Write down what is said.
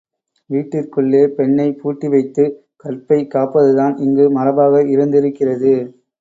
வீட்டிற்குள்ளே பெண்ணைப் பூட்டிவைத்துக் கற்பைக் காப்பதுதான் இங்கு மரபாக இருந்திருக்கிறது.